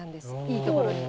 いいところに。